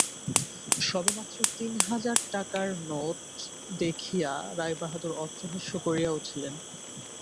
সবেমাত্র তিন হাজার টাকার নোট দেখিয়া রায়বাহাদুর অট্টহাস্য করিয়া উঠিলেন।